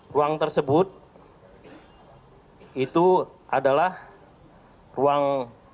ruang tersebut itu adalah ruang